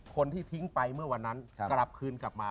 คนที่ทิ้งไปเมื่อวันนั้นกลับคืนกลับมา